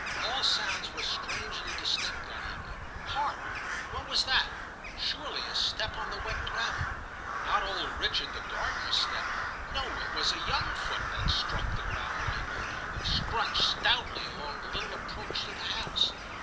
All sounds were strangely distinct that evening. Hark ! what was that "i surely a step on the wet gravel ; not old Richard the gardener's step. No, it was a young foot that struck the ground lightly, and scrunched stoutly along the little approach to the house.